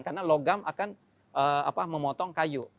karena logam akan memotong kayu